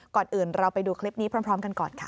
ก่อนอื่นเราไปดูคลิปนี้พร้อมกันก่อนค่ะ